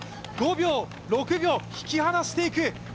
５秒、６秒引き離していく。